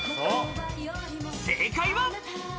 正解は。